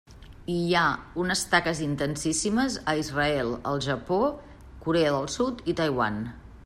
I hi ha unes taques intensíssimes a Israel, el Japó, Corea del Sud i Taiwan.